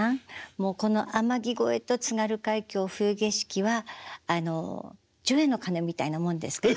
もうこの『天城越え』と『津軽海峡・冬景色』は除夜の鐘みたいなもんですから」。